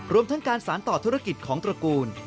รวมทั้งการสารต่อธุรกิจของตระกูล